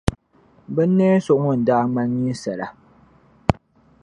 binneen’ so ŋun daa ŋmani ninsala.